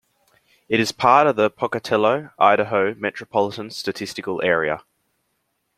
It is part of the 'Pocatello, Idaho Metropolitan Statistical Area'.